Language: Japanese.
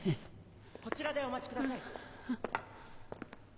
・こちらでお待ちください